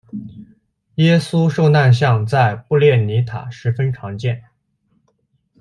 耶稣受难像在布列尼塔十分常见。